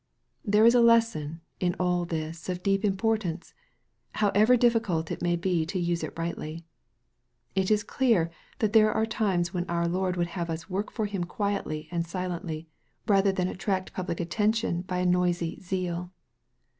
There is a lesson in all this of deep importance, how ever difficult it may be to use it rightly. It is clear that there are times when our Lord would have us work for Him quietly and silently, rather than attract public attention by a noisy zeal.